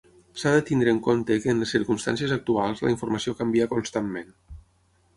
S'ha de tenir en compte que en les circumstàncies actuals, la informació canvia constantment.